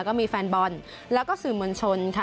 ก็มีแฟนบอลแล้วก็สื่อมวลชนค่ะ